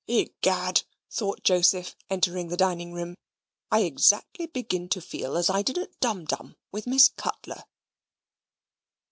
"Egad!" thought Joseph, entering the dining room, "I exactly begin to feel as I did at Dumdum with Miss Cutler."